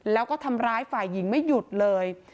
แล้วก็ทำร้ายฝ่ายหญิงไม่หยุดเลย